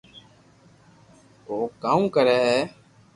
او ڪاو ڪري ھي